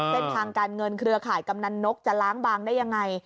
เส้นทางการเงินเครือข่ายกำนันนกจะล้างบางได้ยังไง